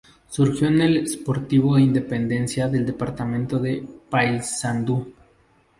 Surgió en el Sportivo Independencia del departamento de Paysandú.